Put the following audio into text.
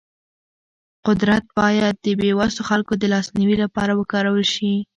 قدرت باید د بې وسو خلکو د لاسنیوي لپاره وکارول شي.